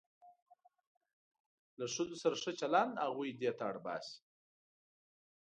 له ښځو سره ښه چلند هغوی دې ته اړ باسي.